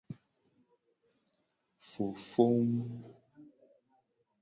Fofowu.